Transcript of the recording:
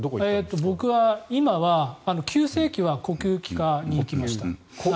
僕は急性期は呼吸器科に行きました。